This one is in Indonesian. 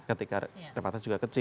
ketika repatriasinya juga kecil